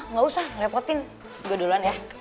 ngga usah ngelepotin gue duluan ya